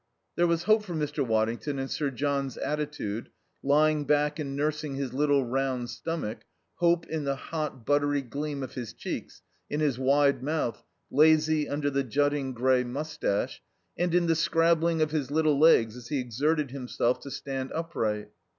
There was hope for Mr. Waddington in Sir John's attitude, lying back and nursing his little round stomach, hope in the hot, buttery gleam of his cheeks, in his wide mouth, lazy under the jutting grey moustache, and in the scrabbling of his little legs as he exerted himself to stand upright.